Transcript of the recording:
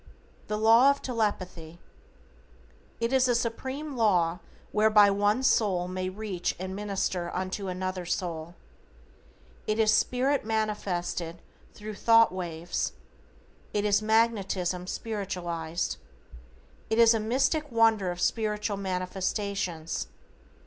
=THE LAW OF TELEPATHY:= It is a supreme law whereby one soul may reach and minister unto another soul. It is spirit manifested thru thought waves. It is magnetism spiritualized. It is a mystical wonder of spiritual manifestations.